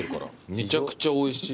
めちゃくちゃおいしい。